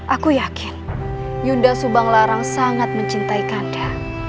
aku yakin yunda subanglarang sangat mencintai kanda